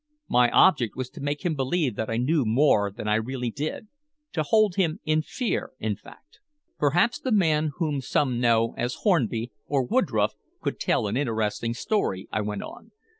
My object was to make him believe that I knew more than I really did to hold him in fear, in fact. "Perhaps the man whom some know as Hornby, or Woodroffe, could tell an interesting story," I went on.